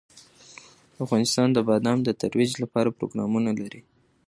افغانستان د بادام د ترویج لپاره پروګرامونه لري.